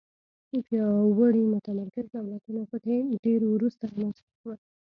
پیاوړي متمرکز دولتونه په کې ډېر وروسته رامنځته شول.